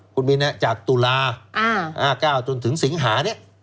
คุณมินฮะจากตุลาจนถึงสิงหา